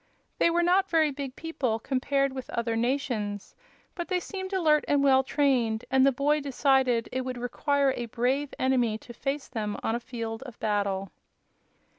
They were not very big people, compared with other nations, but they seemed alert and well trained, and the boy decided it would require a brave enemy to face them on a field of battle.